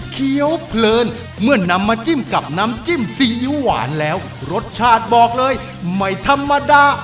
เคี้ยวเพลินเมื่อนำมาจิ้มกับน้ำจิ้มซีอิ๊วหวานแล้วรสชาติบอกเลยไม่ธรรมดา